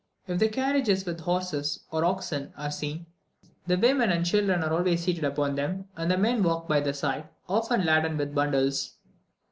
If carriages with horses or oxen are seen, the women and children are always seated upon them, and the men walk by the side, often laden with bundles.